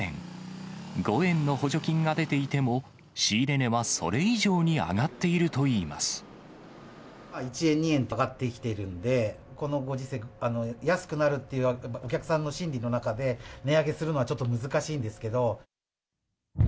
５円の補助金が出ていても、仕入れ値はそれ以上に上がってい１円、２円と上がってきてるんで、このご時世、安くなるっていう、お客さんの心理の中で、値上げするのはちょっと難しいんですけど。